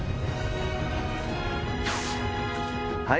はい。